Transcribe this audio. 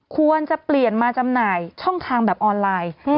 ควรจะเปลี่ยนมาจำหน่ายช่องทางแบบออนไลน์